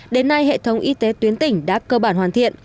đến nay hệ thống y tế tuyến tỉnh đã cơ bản hoàn thiện